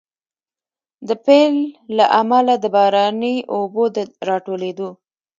د پيل له امله، د باراني اوبو د راټولېدو